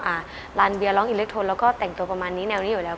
อ่าร้านเบียร์หรอง๑๙๖๑และแต่งตัวประมาณนี้แนวนี้อยู่แล้ว